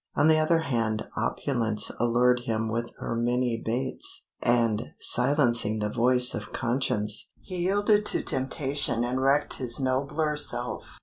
On the other hand Opulence allured him with her many baits, and, silencing the voice of conscience, he yielded to temptation and wrecked his nobler self.